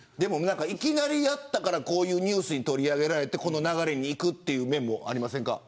いきなりやったからこういうニュースに取り上げられて、この流れにいくという面もありませんか。